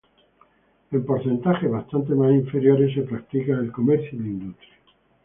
En porcentajes bastantes más inferiores se practican el comercio y la industria.